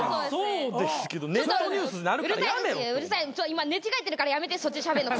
今寝違えてるからやめてそっちでしゃべるの。